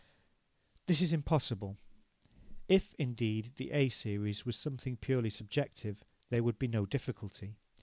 This is impossible. If, indeed, the A series was something purely subjective, there would be no difficulty.